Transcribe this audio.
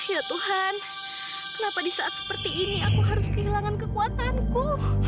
ya tuhan kenapa di saat seperti ini aku harus kehilangan kekuatanku